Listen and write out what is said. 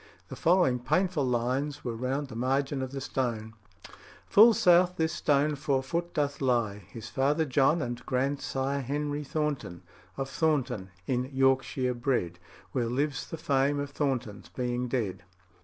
The following painful lines were round the margin of the stone: "Full south this stone four foot doth lie His father John and grandsire Henry Thornton, of Thornton, in Yorkshire bred, Where lives the fame of Thornton's being dead."